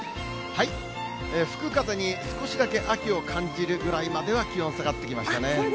吹く風に少しだけ秋を感じるぐらいまでは気温下がってきましたね。